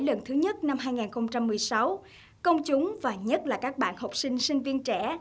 lần thứ nhất năm hai nghìn một mươi sáu công chúng và nhất là các bạn học sinh sinh viên trẻ